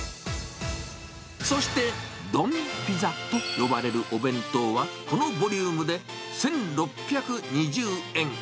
そして、丼ピザと呼ばれるお弁当は、このボリュームで１６２０円。